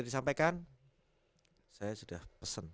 saya sudah pesen